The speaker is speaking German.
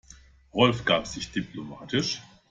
Rolf gab sich diplomatisch.